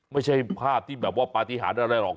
ไม่ใช่ภาพที่แบบว่าปฏิหารอะไรหรอก